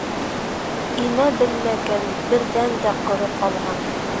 Имә белмәгән берҙән дә ҡоро ҡалған.